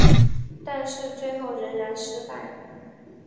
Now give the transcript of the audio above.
但是最后仍然失败。